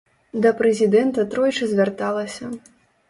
Да прэзідэнта тройчы звярталася.